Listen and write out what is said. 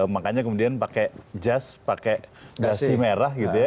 makanya kemudian pakai jas pakai gasi merah